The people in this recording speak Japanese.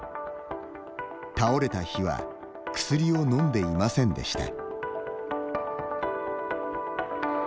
倒れた日は薬を飲んでいませんでした。